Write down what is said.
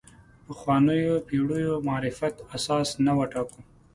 پخوانیو پېړیو معرفت اساس نه وټاکو.